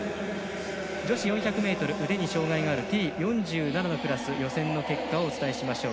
女子４００ｍ腕に障がいがあるＴ４７のクラス予選の結果をお伝えしましょう。